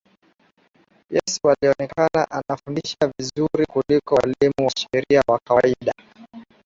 Yesu alionekana anafundisha vizuri kuliko walimu wa sheria wa kawaida